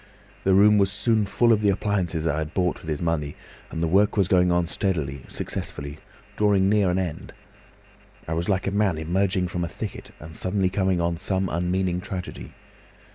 The room was soon full of the appliances I had bought with his money; the work was going on steadily, successfully, drawing near an end. I was like a man emerging from a thicket, and suddenly coming on some unmeaning tragedy.